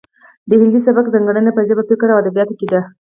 د هندي سبک ځانګړنې په ژبه فکر او ادبیاتو کې دي